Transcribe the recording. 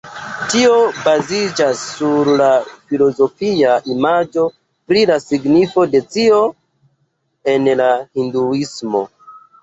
Tio baziĝas sur la filozofia imago pri la signifo de scio en la Hinduismo.